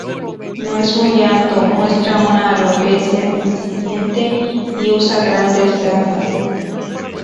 No es muy alto, muestra una alopecia incipiente y usa grandes gafas.